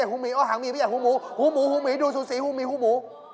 หูหมูหูหมีดูสูสีหูหมีหูหมู